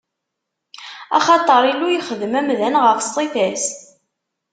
Axaṭer Illu yexdem amdan ɣef ṣṣifa-s.